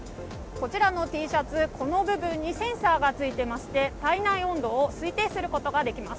この部分にセンサーがついていまして体内温度を推定することができます。